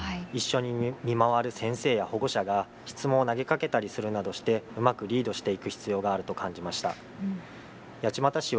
一緒に見回る先生や保護者が質問を投げかけたりするなどして、うまくリードしていく必要があると感じました。